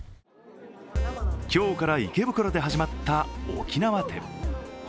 今日から池袋で始まった沖縄展。